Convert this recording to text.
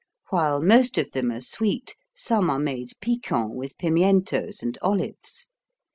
While most of them are sweet, some are made piquant with pimientos and olives.